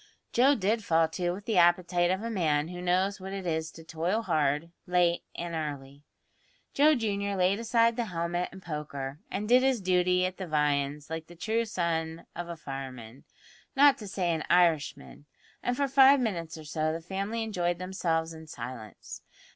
Joe did fall to with the appetite of a man who knows what it is to toil hard, late and early. Joe junior laid aside the helmet and poker, and did his duty at the viands like the true son of a fireman not to say an Irishman and for five minutes or so the family enjoyed themselves in silence.